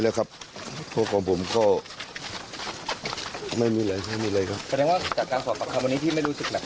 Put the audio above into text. ไม่ครับไม่น่ากใจอะไรเลยครับ